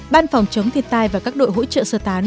ban phòng chống thiên tai và các đội hỗ trợ sơ tán